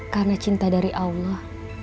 karena cinta dari allah